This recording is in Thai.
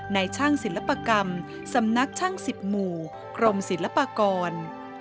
ในช่างศิลปกรรมสำนักช่าง๑๐หมู่กรมศิลปากร